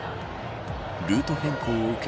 ルート変更を受け